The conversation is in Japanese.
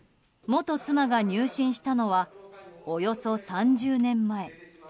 元妻が入信したのはおよそ３０年前。